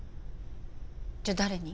じゃあ誰に？